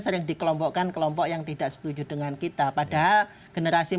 sering dikelompokkan kelompok yang tidak setuju dengan kita padahal kenapa juga atau atau seperti itu